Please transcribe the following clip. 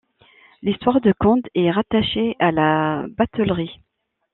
L'histoire de Condes est rattachée à la batellerie.